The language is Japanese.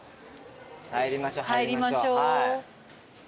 入りましょう入りましょう。